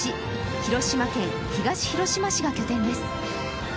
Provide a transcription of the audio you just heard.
広島県東広島市が拠点です。